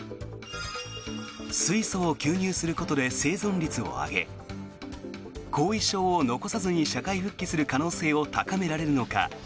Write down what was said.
水素を吸入することで生存率を上げ後遺症を残さずに社会復帰できる可能性を高められるのか。